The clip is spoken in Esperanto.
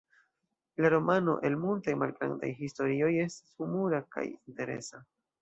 La romano el multaj malgrandaj historioj estas humura kaj interesa.